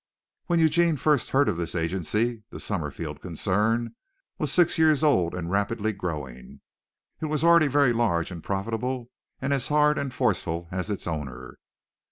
When Eugene first heard of this agency, the Summerfield concern was six years old and rapidly growing. It was already very large and profitable and as hard and forceful as its owner.